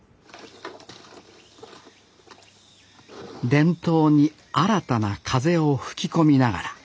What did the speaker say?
伝統に新たな風を吹き込みながら。